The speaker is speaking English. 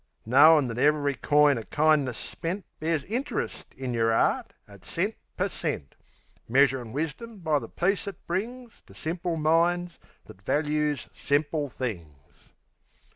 Knowin' that ev'ry coin o' kindness spent Bears interest in yer 'eart at cent per cent; Measurin' wisdom by the peace it brings To simple minds that values simple things.